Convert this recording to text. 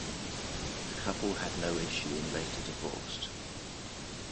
The couple had no issue and later divorced.